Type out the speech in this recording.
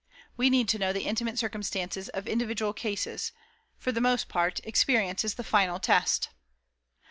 We need to know the intimate circumstances of individual cases. For the most part, experience is the final test.